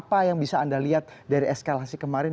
apa yang bisa anda lihat dari eskalasi kemarin